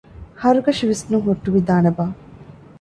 ހަރުކަށި ވިސްނުން ހުއްޓުވިދާނެބާ؟